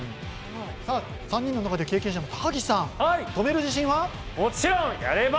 ３人の中で経験者の高岸さん、止める自信は？